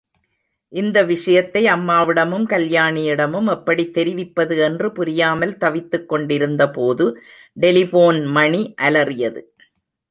இந்த விஷயத்தை அம்மாவிடமும், கல்யாணியிடமும் எப்படித் தெரிவிப்பது என்று புரியாமல் தவித்துக் கொண்டிருந்தபோது டெலிபோன் மணி அலறியது.